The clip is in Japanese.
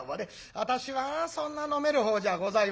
私はそんな飲めるほうじゃございません。